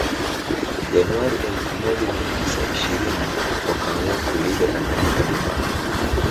Januari elfu moja mia tisa ishirini wakaamua kuliita Tanganyika mipaka